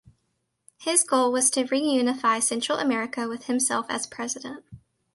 His goal was to reunify Central America with himself as President.